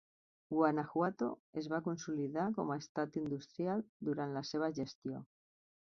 Guanajuato es va consolidar com a estat industrial durant la seva gestió.